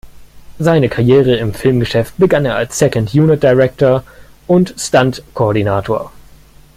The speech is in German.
Seine Karriere im Filmgeschäft begann er als Second Unit Director und Stunt-Koordinator.